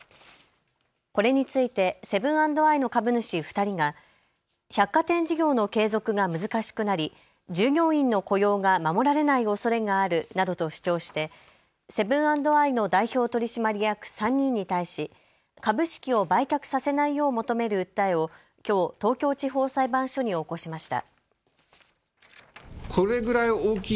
これについてセブン＆アイの株主２人が百貨店事業の継続が難しくなり従業員の雇用が守られないおそれがあるなどと主張してセブン＆アイの代表取締役３人に対し、株式を売却させないよう求める訴えを、きょう東京地方裁判所に起こしました。